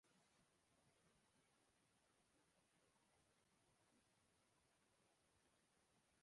প্রশান্ত মহাসাগরীয় অঞ্চলের বৃহৎ অংশ জুড়ে তাদের প্রভাব ও কর্তৃত্ব ছিল।